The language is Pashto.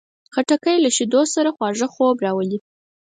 خټکی له شیدو سره خواږه خوب راولي.